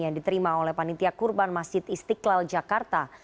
yang diterima oleh panitia kurban masjid istiqlal jakarta